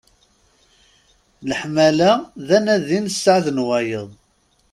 Leḥmala, d anadi n sseɛd n wayeḍ.